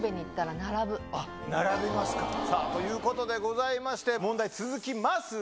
並びますか、さあ、ということでございまして、問題、続きますが。